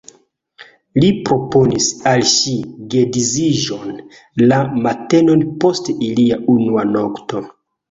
Li proponis al ŝi geedziĝon la matenon post ilia unua nokto.